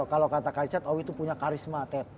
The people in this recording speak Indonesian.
kalo kata kak icat owi tuh punya karisma ted